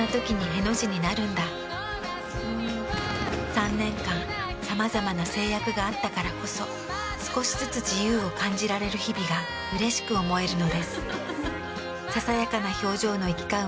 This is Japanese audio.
３年間さまざまな制約があったからこそ少しずつ自由を感じられる日々がうれしく思えるのです。